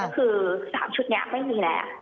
คือ๓ชุดนี้ไม่มีแล้ว